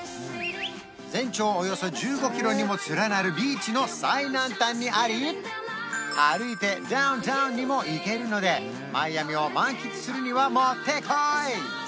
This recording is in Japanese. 全長およそ１５キロにも連なるビーチの最南端にあり歩いてダウンタウンにも行けるのでマイアミを満喫するにはもってこい！